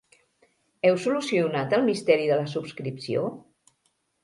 Heu solucionat el misteri de la subscripció?